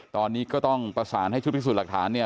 ตอนนี้ก็ต้องประสานให้ชุดพิสูจน์หลักฐานเนี่ย